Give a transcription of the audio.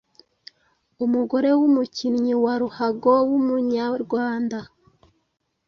umugore w’umukinnyi wa ruhago w’umunyarwanda